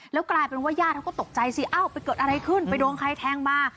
แล้วกลายเป็นว่าญาติเขาก็ตกใจสิเอ้าไปเกิดอะไรขึ้นไปโดนใครแทงมา